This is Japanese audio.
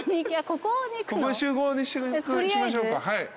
ここに集合にしましょうか。